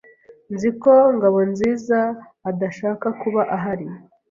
Nzi ko Ngabonzizaadashaka kuba ahari.